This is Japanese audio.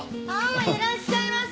いらっしゃいませ！